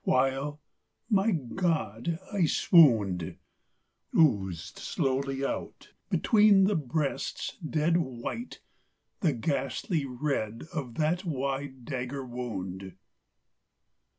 while ... my God! I swooned!... Oozed slowly out, between the breasts' dead white, The ghastly red of that wide dagger wound.